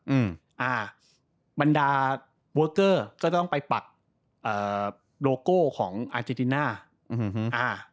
อืมอ่าบรรดาเวอร์เกอร์ก็ต้องไปปักเอ่อโดโก้ของอาเจติน่าอืมอ่า